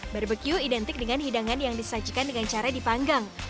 barbecue identik dengan hidangan yang disajikan dengan cara dipanggang